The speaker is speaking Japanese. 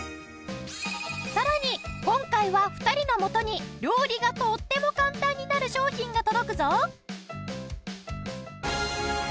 さらに今回は２人のもとに料理がとっても簡単になる商品が届くぞ！